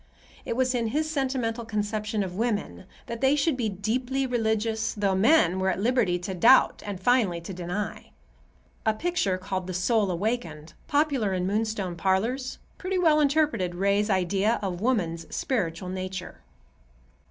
It was in his sentimental conception of women that they should be deeply religious, though men were at liberty to doubt and finally to deny. A picture called "The Soul Awakened," popular in Moonstone parlors, pretty well interpreted Ray's idea of woman's spiritual nature.